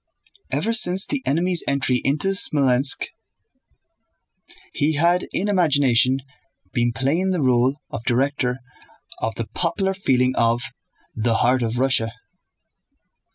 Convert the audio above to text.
Ever since the enemy's entry into Smolénsk he had in imagination been playing the role of director of the popular feeling of "the heart of Russia."